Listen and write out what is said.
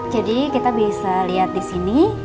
jadi kita bisa lihat disini